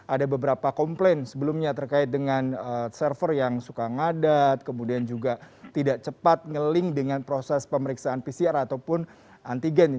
ada beberapa komplain sebelumnya terkait dengan server yang suka ngadat kemudian juga tidak cepat nge link dengan proses pemeriksaan pcr ataupun antigen